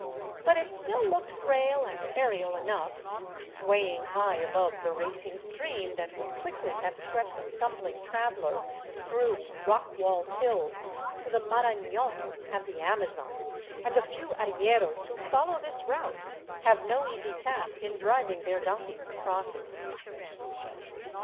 But it still looked frail and aerial enough, sway ing high above the racing stream that would quickly have swept a stumbling traveler through rock walled hills to the Marafion and the Amazon, and the few arrieros who follow this route have no easy task in driving their donkeys across it.